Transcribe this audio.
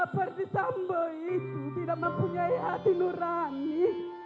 perdisambo itu tidak mempunyai hati nurani